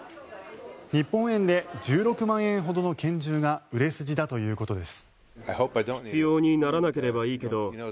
日本円で１６万円ほどの拳銃が売れ筋だということです。